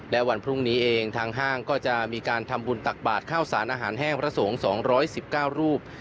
และวันพรุ่งนี้เองทางห้างก็จะมีการทำบุญตักบาทข้าวสารอาหารแห้งพระสงฆ์๒๑๙รูป